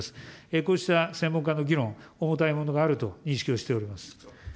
こうした専門家の議論、重たいものがあると認識をしております。